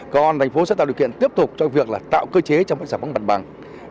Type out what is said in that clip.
còn thành phố sẽ tạo điều kiện tiếp tục cho việc là tạo cơ chế cho sản phẩm mặt bằng